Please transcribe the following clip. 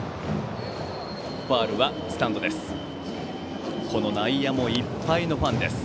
ファウルはスタンドです。